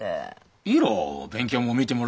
いいろ勉強も見てもらえるし。